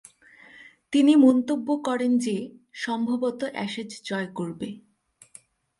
তিনি মন্তব্য করেন যে, সম্ভবতঃ অ্যাশেজ জয় করবে।